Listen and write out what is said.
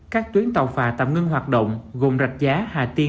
các tuyến tàu phà tạm ngưng hoạt động gồm rạch giá hà tiên